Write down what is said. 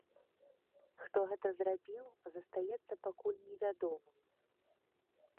Хто гэта зрабіў, застаецца пакуль не вядомым.